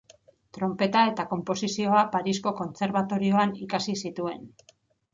Tronpeta eta konposizioa Parisko Kontserbatorioan ikasi zituen.